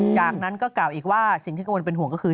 จากนั้นก็กล่าวอีกว่าสิ่งที่กังวลเป็นห่วงก็คือ